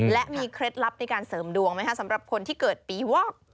และมีเคล็ดลับในการเสริมดวงไหมคะสำหรับคนที่เกิดปีวอก